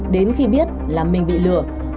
đến khi biết là mình bị lừa